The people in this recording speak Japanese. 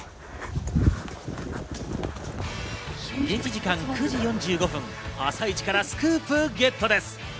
現地時間９時４５分、朝イチからスクープゲットです。